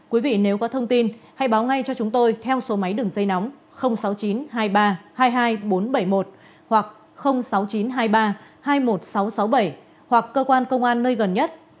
quý vị nếu có thông tin hãy báo ngay cho chúng tôi theo số máy đường dây nóng sáu mươi chín hai mươi ba hai mươi hai nghìn bốn trăm bảy mươi một hoặc sáu mươi chín hai mươi ba hai mươi một nghìn sáu trăm sáu mươi bảy hoặc cơ quan công an nơi gần nhất